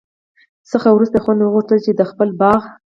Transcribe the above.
څخه وروسته خویندو وغوښتل چي د خپل باغ